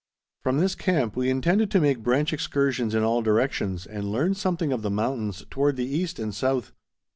From this camp we intended to make branch excursions in all directions and learn something of the mountains toward the east and south.